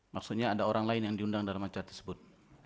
maksudnya ada orang lain yang diundang dalam acara tersebut